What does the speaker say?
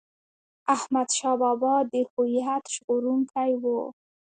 احمد شاه بابا د هویت ژغورونکی و.